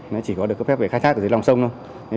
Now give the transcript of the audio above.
nó chỉ có được cấp phép về khai thác ở dưới lòng sông thôi